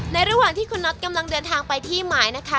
ระหว่างที่คุณน็อตกำลังเดินทางไปที่หมายนะคะ